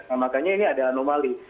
nah makanya ini ada anomali